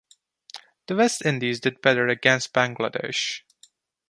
The West Indies did better against Bangladesh.